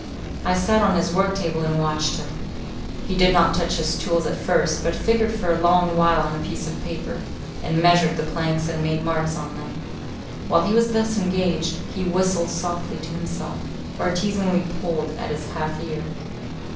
I sat on his work table and watched him. He did not touch his tools at first, but figured for a long while on a piece of paper, and measured the planks and made marks on them. While he was thus engaged, he whistled softly to himself, or teasingly pulled at his half ear.